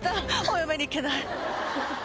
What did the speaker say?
お嫁に行けない